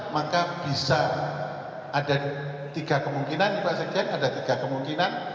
maka bisa ada tiga kemungkinan pak sekjen ada tiga kemungkinan